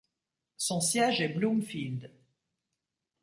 Son siège est Bloomfield.